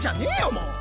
もう！